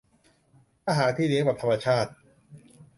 ถ้าหาที่เลี้ยงแบบธรรมชาติ